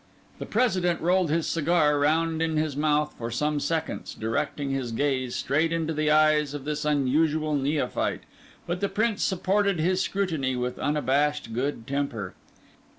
The President rolled his cigar round in his mouth for some seconds, directing his gaze straight into the eyes of this unusual neophyte; but the Prince supported his scrutiny with unabashed good temper.